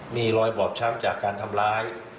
มีรอยบอบช้ำจากการทำร้าย